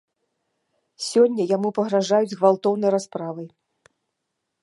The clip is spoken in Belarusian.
Сёння яму пагражаюць гвалтоўнай расправай.